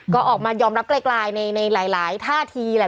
ก็ออกมายอมรับไกลในหลายท่าทีแหละ